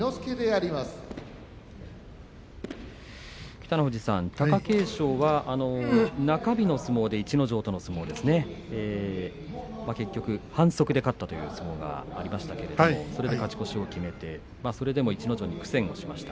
北の富士さん、貴景勝は中日の相撲で逸ノ城との相撲ですね結局、反則で勝ったという相撲がありましたけどもそれで勝ち越しを決めました。